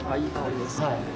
いい香りですね